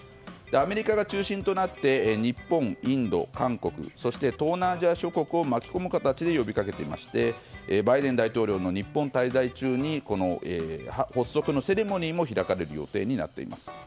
アメリカが中心となって日本、インド、韓国そして東南アジア諸国を巻き込む形で呼びかけていましてバイデン大統領の日本滞在中にこの発足のセレモニーも開かれる予定になっています。